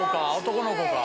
男の子か？